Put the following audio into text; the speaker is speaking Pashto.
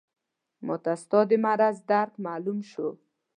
ماته ستا د مرض درک معلوم شو.